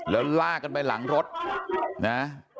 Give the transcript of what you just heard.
แล้วลากกันไปหลังรถนะ